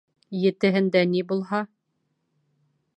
Етеһендә ни булһа